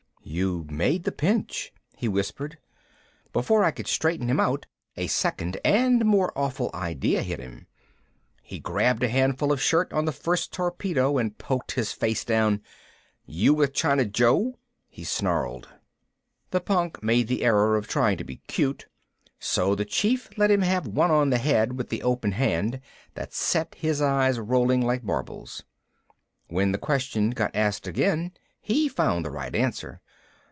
"You made the pinch," he whispered. Before I could straighten him out a second and more awful idea hit him. He grabbed a handful of shirt on the first torpedo and poked his face down. "You with China Joe," he snarled. The punk made the error of trying to be cute so the Chief let him have one on the head with the open hand that set his eyes rolling like marbles. When the question got asked again he found the right answer.